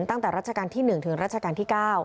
ตั้งแต่รัชกาลที่๑ถึงรัชกาลที่๙